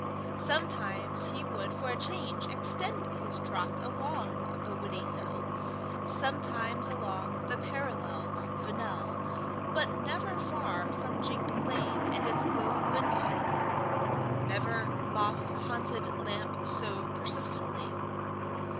Sometimes he would for a change extend his trot along the Widdiehill, sometimes along the parallel Vennel, but never far from Jink Lane and its glowing window. Never moth haunted lamp so persistently.